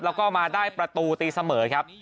แล้วก็มาได้ประตูตีเสมอครับ